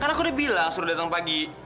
karena aku udah bilang suruh datang pagi